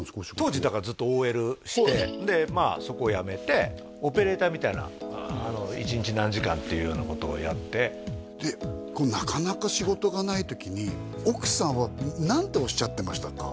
当時だからずっとＯＬしてでまあそこを辞めてオペレーターみたいな１日何時間っていうようなことをやってでなかなか仕事がない時に奥さんは何ておっしゃってましたか？